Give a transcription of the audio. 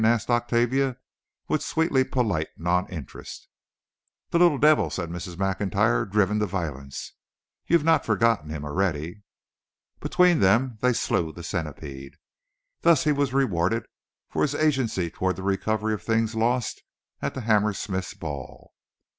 asked Octavia, with sweetly polite non interest. "The little devil!" said Mrs. Maclntyre, driven to violence. "Ye've no forgotten him alretty?" Between them they slew the centipede. Thus was he rewarded for his agency toward the recovery of things lost at the Hammersmiths' ball.